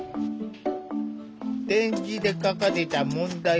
点字で書かれた問題を読み